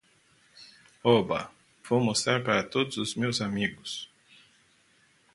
Oba, vou mostrar para todos os meus amigos.